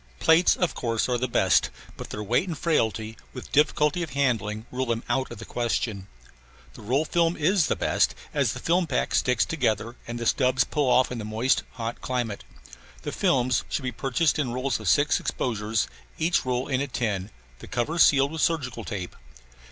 Plates, of course, are the best, but their weight and frailty, with difficulty of handling, rule them out of the question. The roll film is the best, as the film pack sticks together and the stubs pull off in the moist, hot climate. The films should be purchased in rolls of six exposures, each roll in a tin, the cover sealed with surgical tape.